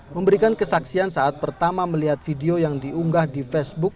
memberikan kesaksian saat pertama melihat video yang diunggah di facebook